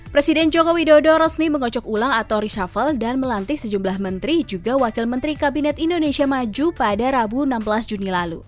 presiden jokowi dodo resmi mengocok ulang atau reshuffle dan melantik sejumlah menteri juga wakil menteri kabinet indonesia maju pada rabu enam belas juni lalu